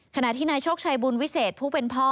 ขณะที่นายโชคชัยบุญวิเศษผู้เป็นพ่อ